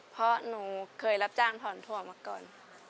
เพราะหนูเคยรับจ้างถอนถั่วมาก่อน